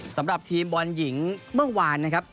สำหรับทีมบอลหญิงเมื่อวานนะครับ